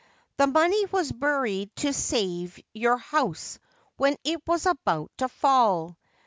The money was buried to save your house when it was about to fall.